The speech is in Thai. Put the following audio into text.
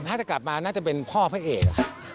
ถ้าจะกลับมาน่าจะเป็นพ่อพระเอก